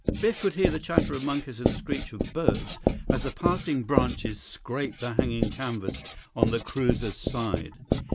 Biff could hear the chatter of monkeys and the screech of birds as the passing branches scraped the hanging canvas on the cruiser's side.